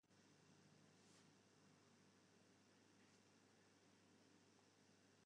De polysje nimt de saak heech op en praat fan besykjen ta deaslach.